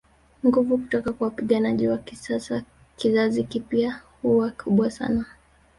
Nguvu kutoka kwa wapiganaji wa kizazi kipya huwa kubwa sana